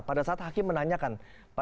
pada saat hakim menanyakan